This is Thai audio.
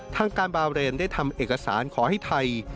ทางการบาเรนได้ทำเอกสารขอให้ไทย